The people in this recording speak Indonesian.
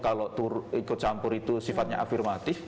kalau ikut campur itu sifatnya afirmatif